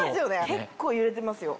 結構揺れてますよ。